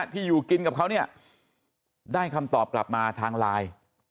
ที่อยู่กินกับเขาเนี่ยได้คำตอบกลับมาทางไลน์